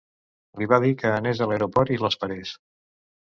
Li va dir que anés a l'aeroport i l'esperés.